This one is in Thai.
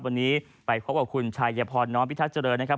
วันนี้ไปพบกับคุณชายพรน้อมพิทักษ์เจริญนะครับ